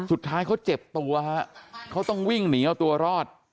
สุดท้ายเขาเจ็บตัวฮะเขาต้องวิ่งหนีเอาตัวรอด